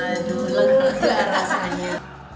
aduh lagu gak rasanya